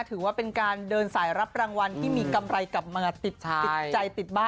ถือว่าเป็นการเดินสายรับรางวัลที่มีกำไรกลับมาติดใจติดบ้าน